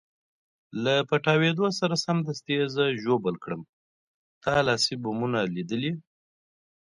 له پټاودو سره سمدستي یې زه ژوبل کړم، تا لاسي بمونه لیدلي؟